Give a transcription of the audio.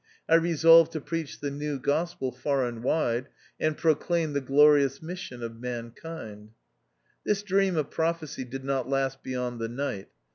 I resolved to preach the New Gospel far and wide, and proclaim the glorious mission of mankind. This dream of prophecy did not last beyond the night.